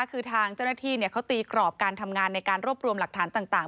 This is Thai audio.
คือทางเจ้าหน้าที่เขาตีกรอบการทำงานในการรวบรวมหลักฐานต่าง